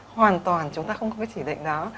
hoàn toàn chúng ta không có cái chỉ định đó